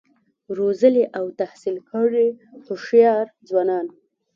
روزلي او تحصیل کړي هوښیار ځوانان